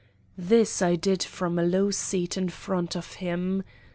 This I did from a low seat in front of him.